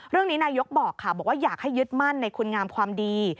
เรื่องนี้นายกบอกค่ะบอกว่าอยากให้ยึดมั่นในคุณงามความดี